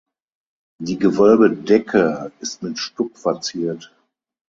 Die Gewölbedecke ist mit Stuck verziert.